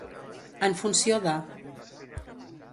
En funció de.